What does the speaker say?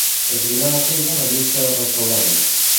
Esbrinar què hi ha a la llista "restaurants".